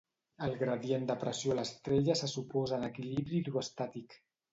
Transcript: El gradient de pressió a l'estrella se suposa en equilibri hidroestàtic.